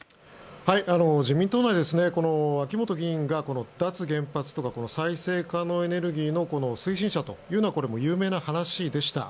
自民党内はこの秋本議員が脱原発とか再生可能エネルギーの推進者というのはもう有名な話でした。